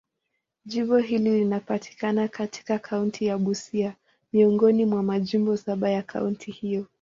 Jimbo hili linapatikana katika kaunti ya Busia, miongoni mwa majimbo saba ya kaunti hiyo.